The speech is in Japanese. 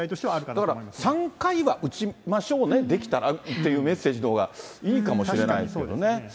だから３回は打ちましょうね、できたらっていうメッセージのほうがいいかもしれないですけどね。